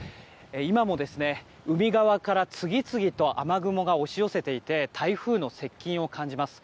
今も、海側から次々と雨雲が押し寄せていて台風の接近を感じます。